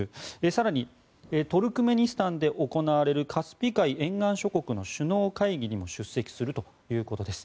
更にトルクメニスタンで行われるカスピ海沿岸諸国の首脳会議にも出席するということです。